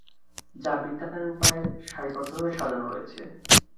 যা বৃত্তাকার উপায়ে সারিবদ্ধভাবে সাজানো রয়েছে।